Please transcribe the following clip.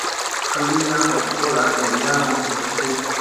Tulina okukola ebiraamo byaffe.